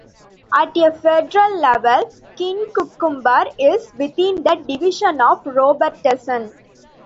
At a federal level, Kincumber is within the Division of Robertson.